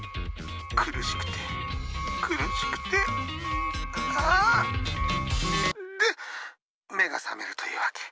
苦しくて苦しくてああっで目が覚めるというわけ。